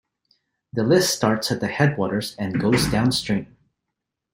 The list starts at the headwaters and goes downstream.